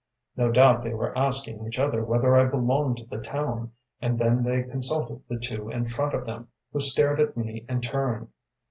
No doubt they were asking each other whether I belonged to the town, and then they consulted the two in front of them, who stared at me in turn.